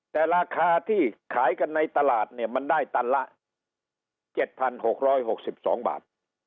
แต่ราคาที่ขายกันในตลาดเนี่ยมันได้ตันละ๗๖๖๒บาท